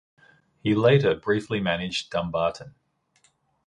He later briefly managed Dumbarton.